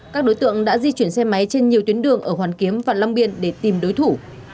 các đối tượng đã di chuyển xe máy trên nhiều tuyến đường ở hoàn kiếm và long biên để tìm đối thủ